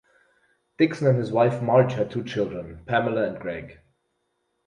Dixon and his wife Marge had two children; Pamela and Greg.